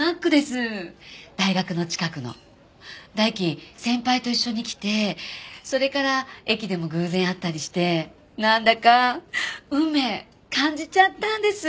大樹先輩と一緒に来てそれから駅でも偶然会ったりしてなんだか運命感じちゃったんです。